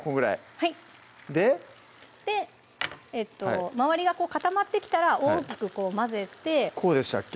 はい周りが固まってきたら大きく混ぜてこうでしたっけ？